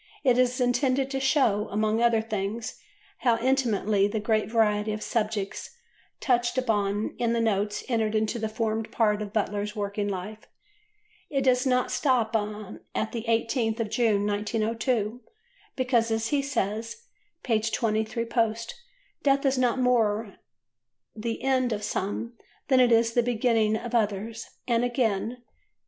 It is intended to show, among other things, how intimately the great variety of subjects touched upon in the notes entered into and formed part of Butler's working life. It does not stop at the 18th of June, 1902, because, as he says (p. 23 post), "Death is not more the end of some than it is the beginning of others"; and, again (p.